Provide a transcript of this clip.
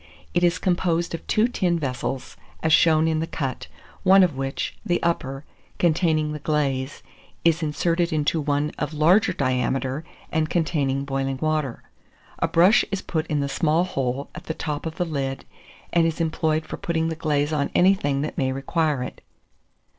It is composed of two tin vessels, as shown in the cut, one of which, the upper, containing the glaze, is inserted into one of larger diameter and containing boiling water. A brush is put in the small hole at the top of the lid, and is employed for putting the glaze on anything that may require it.